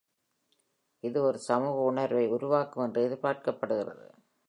இது ஒரு சமூக உணர்வை உருவாக்கும் என்று எதிர்பார்க்கப்படுகிறது.